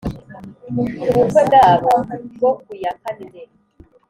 ku bukwe bwabo bwo ku ya kane nzeri